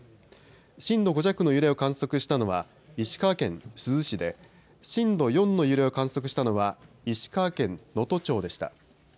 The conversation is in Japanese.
震度５弱の揺れを観測したのは石川県珠洲市で震度４の揺れを観測したのは石川県能登町でした。